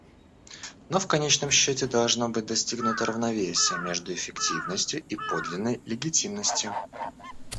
Но, в конечном счете, должно быть достигнуто равновесие между эффективностью и подлинной легитимностью.